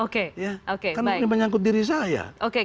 karena ini menyangkut diri saya